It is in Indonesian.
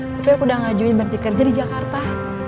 tapi aku udah ngajuin berhenti kerja di jakarta